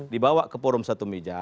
dibawa ke forum satu meja